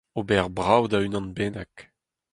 ober brav da unan bennak